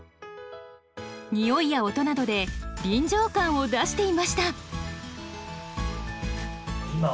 においや音などで臨場感を出していました。